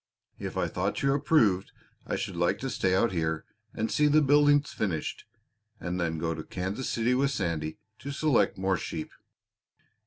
If I thought you approved I should like to stay out here and see the buildings finished and then go to Kansas City with Sandy to select more sheep.